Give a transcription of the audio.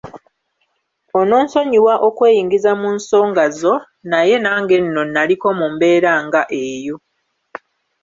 Ononsonyiwa okweyingiza mu nsonga zo naye nange nno nnaliko mu mbeera nga eyo.